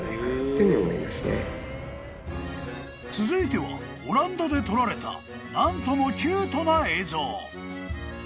［続いてはオランダで撮られた何ともキュートな映像］